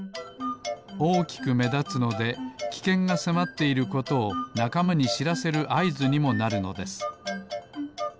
おおきくめだつのできけんがせまっていることをなかまにしらせるあいずにもなるのです。